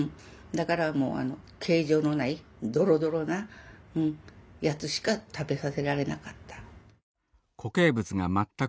だからもうあの形状のないどろどろなやつしか食べさせられなかった。